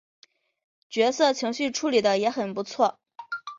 角色情绪处理的也很不错